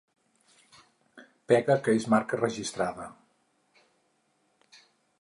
Pega que és marca registrada.